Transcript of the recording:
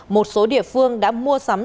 một số địa phương đã mua sắm